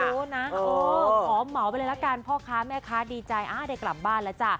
ใช่อ๊ะคุณผู้ชมไว้ดินโรน่ะขอเหมาไปเลยละกันพ่อค้าแม่ค้าใบดีใจอ่ะได้กลับบ้านละจ๊ะ